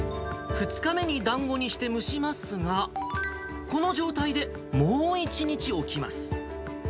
２日目にだんごにして蒸しますが、この状態で、もう１日置きます。